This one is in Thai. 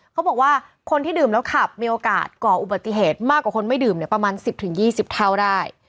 เขาบอกว่าคนที่ดื่มแล้วขับมีโอกาสก่ออุบัติเหตุมากกว่าคนไม่ดื่มเนี่ยประมาณ๑๐๒๐เท่าได้